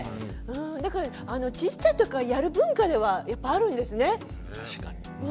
だからちっちゃい時からやる文化ではあるんですね。